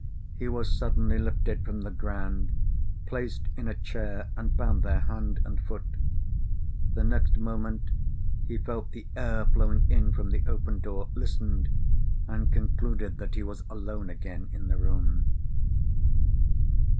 He was suddenly lifted from the ground, placed in a chair, and bound there hand and foot. The next moment he felt the air flowing in from the open door, listened, and concluded that he was alone again in the room.